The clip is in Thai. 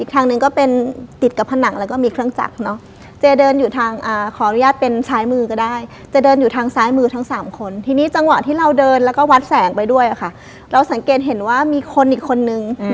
ทางหนึ่งก็เป็นติดกับผนังแล้วก็มีเครื่องจักรเนอะเจเดินอยู่ทางขออนุญาตเป็นซ้ายมือก็ได้เจเดินอยู่ทางซ้ายมือทั้งสามคนทีนี้จังหวะที่เราเดินแล้วก็วัดแสงไปด้วยค่ะเราสังเกตเห็นว่ามีคนอีกคนนึง